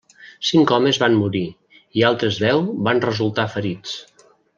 Cinc homes van morir i altres deu van resultar ferits.